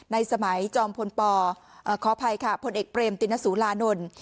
ในสมัยจอมพลปขออภัยค่ะพลเอกเปรมตินสุรานนท์